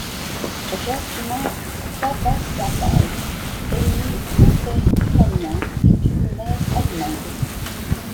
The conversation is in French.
Jasmin Tabatabai est née d'un père iranien et d'une mère allemande.